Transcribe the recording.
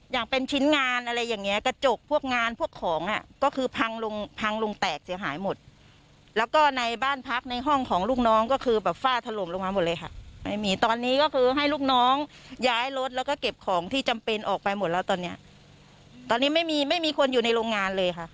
อย่างเป็นชิ้นงานอะไรอย่างเงี้กระจกพวกงานพวกของอ่ะก็คือพังลงพังลงแตกเสียหายหมดแล้วก็ในบ้านพักในห้องของลูกน้องก็คือแบบฝ้าถล่มลงมาหมดเลยค่ะไม่มีตอนนี้ก็คือให้ลูกน้องย้ายรถแล้วก็เก็บของที่จำเป็นออกไปหมดแล้วตอนเนี้ยตอนนี้ไม่มีไม่มีคนอยู่ในโรงงานเลยค่ะ